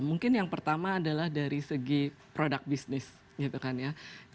mungkin yang pertama adalah dari segi produk bisnis gitu kan ya